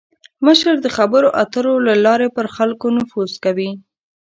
مشر د خبرو اترو له لارې پر خلکو نفوذ کوي.